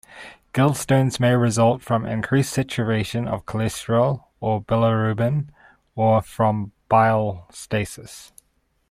Gallstones may result from increased saturation of cholesterol or bilirubin, or from bile stasis.